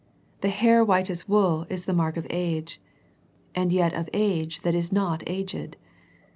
The hair white as wool is the mark of age, and yet of age that is not aged.